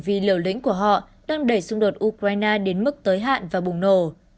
vì liều lĩnh của họ đang đẩy xung đột ukraine đến mức tới hạn và bùng nổ